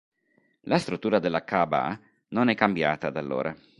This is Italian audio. La struttura della Kaʿba non è cambiata da allora.